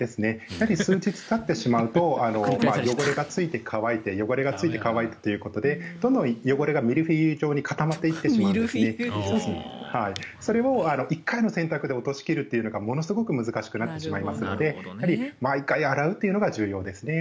やはり数日たってしまうと汚れがついて乾いて汚れがついて乾いてということでどんどん汚れがミルフィーユ状に固まってしまうのでそれを１回の洗濯で落とし切るというのがものすごく難しくなってしまいますので毎回洗うというのが重要ですね。